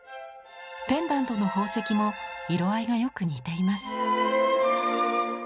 ペンダントの宝石も色合いがよく似ています。